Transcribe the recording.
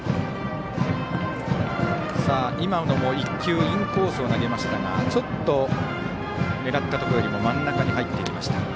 今のも１球、インコースを投げましたがちょっと狙ったところよりも真ん中に入っていきました。